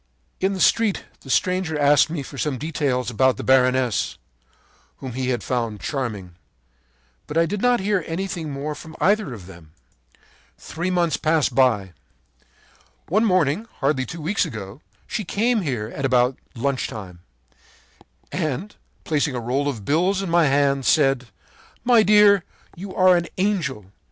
“In the street the stranger asked me for some details about the baroness, whom he had found charming. But I did not hear anything more from either of them. “Three months passed by. “One morning, hardly two weeks ago, she came here at about lunch time, and, placing a roll of bills in my hand, said: 'My dear, you are an angel!